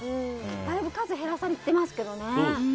だいぶ数減らされてますけどね。